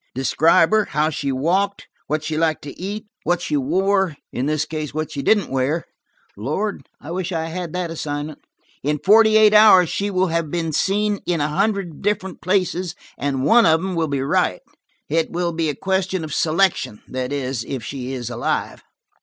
Describe her, how she walked, what she liked to eat, what she wore–in this case what she didn't wear. Lord, I wish I had that assignment! In forty eight hours she will have been seen in a hundred different places, and one of them will be right. It will be a question of selection–that is, if she is alive."